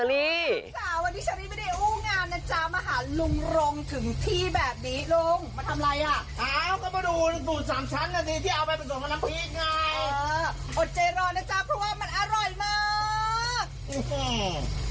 เพราะว่ามันอร่อยมาก